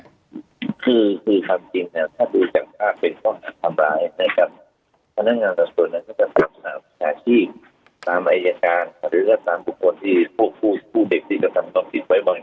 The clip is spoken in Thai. คือคือคำจริงเนี้ยถ้าดูจังการเป็นข้อหลักทำร้ายในกับพนักงานส่วนนั้น